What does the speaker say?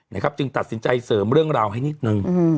จึงตัดสินใจเสริมเรื่องราวให้นิดนึง